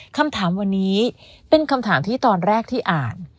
คำถามวันนี้เป็นคำถามที่ตอนแรกที่อ่าน